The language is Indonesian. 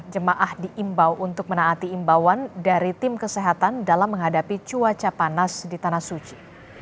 jemaah diimbau untuk menaati imbauan dari tim kesehatan dalam menghadapi cuaca panas di tanah suci